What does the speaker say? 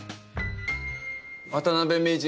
渡辺名人